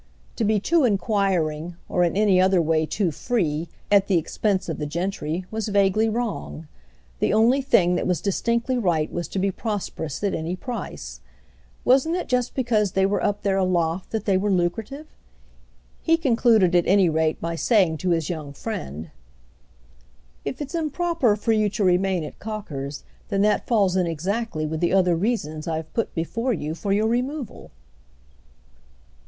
To be too enquiring, or in any other way too free, at the expense of the gentry was vaguely wrong; the only thing that was distinctly right was to be prosperous at any price. Wasn't it just because they were up there aloft that they were lucrative? He concluded at any rate by saying to his young friend: "If it's improper for you to remain at Cocker's, then that falls in exactly with the other reasons I've put before you for your removal."